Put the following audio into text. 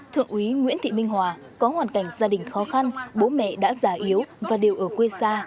thượng úy nguyễn thị minh hòa có hoàn cảnh gia đình khó khăn bố mẹ đã già yếu và đều ở quê xa